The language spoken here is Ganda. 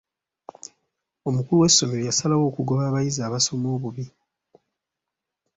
Omukulu w'essomero yasalawo okugoba abayizi abasoma obubi.